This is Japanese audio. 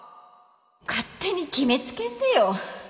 勝手に決めつけんでよ。